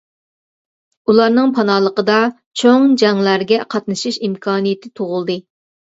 ئۇلارنىڭ پاناھلىقىدا چوڭ جەڭلەرگە قاتنىشىش ئىمكانىيىتى تۇغۇلدى.